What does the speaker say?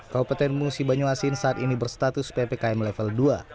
kabupaten musi banyuasin saat ini berstatus ppkm level dua